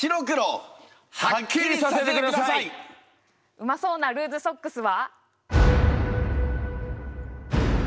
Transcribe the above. うまそうなルーズソックスは。